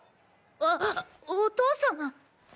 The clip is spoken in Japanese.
あお父様。